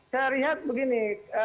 saya lihat begini